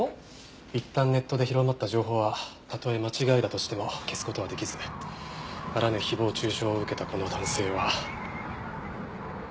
いったんネットで広まった情報はたとえ間違いだとしても消す事はできずあらぬ誹謗中傷を受けたこの男性は。